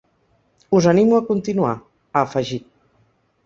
Us animo a continuar, ha afegit.